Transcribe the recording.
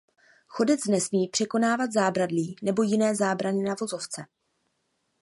Chodec nesmí překonávat zábradlí nebo jiné zábrany na vozovce.